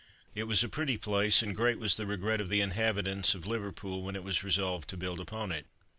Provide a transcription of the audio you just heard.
It was a pretty place, and great was the regret of the inhabitants of Liverpool when it was resolved to build upon it.